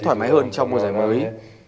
thoải mái hơn trong mùa giải mới